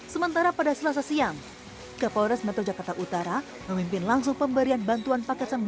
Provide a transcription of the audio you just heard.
sementara pada selasa siang kapolres metro jakarta utara memimpin langsung pemberian bantuan paket sembako